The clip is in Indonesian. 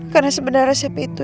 karena sebenarnya resep itu